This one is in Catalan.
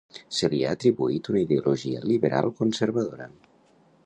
Se li ha atribuït una ideologia liberal conservadora.